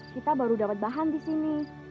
kita baru dapat bahan disini